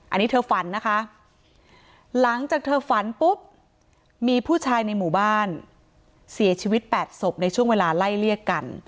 อันนี้เธอฝันนะคะหลังจากเธอฝันปุ๊บมีผู้ชายในหมู่บ้านเสียชีวิต๘ศพในช่วงเวลาไล่เลี่ยกัน